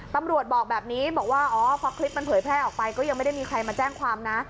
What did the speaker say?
ตำรวจบอกแบบนี้บอกว่าอ๋อพอคลิปมันเผยแพร่ออกไปก็ยังไม่ได้มีใครมาแจ้งความนะ